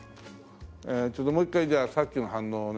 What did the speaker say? えーちょっともう一回じゃあさっきの反応を。